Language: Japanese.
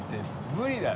無理だろ。